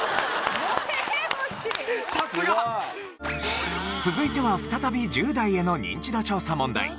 さすが！続いては再び１０代へのニンチド調査問題。